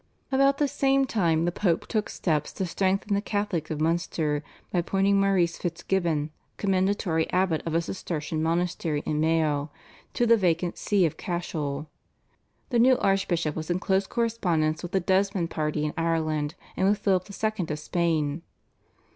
About the same time the Pope took steps to strengthen the Catholics of Munster by appointing Maurice Fitzgibbon, commendatory abbot of a Cistercian monastery in Mayo, to the vacant See of Cashel. The new archbishop was in close correspondence with the Desmond party in Ireland, and with Philip II. of Spain.